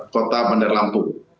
kota bandar lampung